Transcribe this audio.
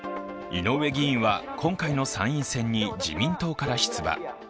井上議員は、今回の参院選に自民党から出馬。